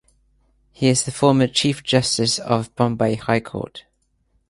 He is former Chief Justice of Bombay High Court.